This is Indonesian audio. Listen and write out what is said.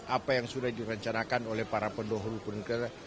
apa yang sudah direncanakan oleh para pendahulu penduduk kita